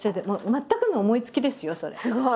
すごい。